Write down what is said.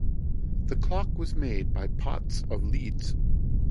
The clock was made by Potts of Leeds.